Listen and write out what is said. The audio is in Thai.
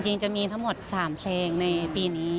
จริงจะมีทั้งหมด๓เพลงในปีนี้